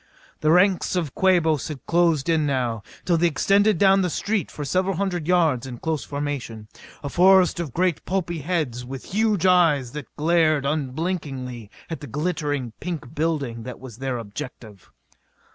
The ranks of Quabos had closed in now, till they extended down the street for several hundred yards in close formation a forest of great pulpy heads with huge eyes that glared unblinkingly at the glittering, pink building that was their objective.